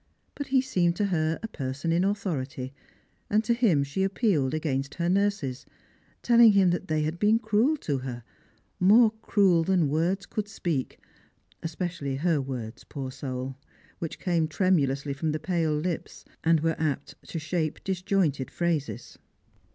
But he seemed to her a person in authority, and to him she appealed against her nurses, telling him that they had been cruel to her, more cruel than words could speak, especially her words, poor soul ! which came tremulously from the pale lips, and were a.pt to shape disjointed phrases.